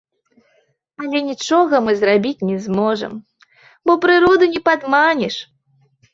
Але нічога мы зрабіць не зможам, бо прыроду не падманеш.